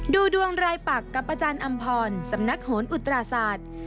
ดูดวงรายปักกับอาจารย์อำพรสำนักโหนอุตราศาสตร์